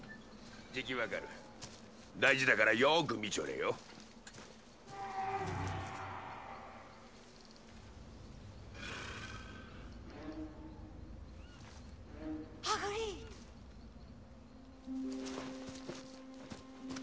じき分かる大事だからよく見ちょれよアグリッド！